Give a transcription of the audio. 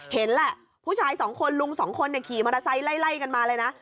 เห็นแหละผู้ชายสองคนลุงสองคนขี่มอเตอร์ไซค์ไล่กันมาเลยนะ